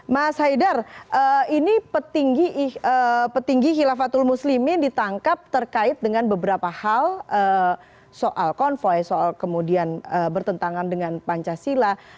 mas haidar ini petinggi hilafatul muslimin ditangkap terkait dengan beberapa hal soal konvoy soal kemudian bertentangan dengan pancasila